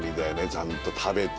ちゃんと食べて。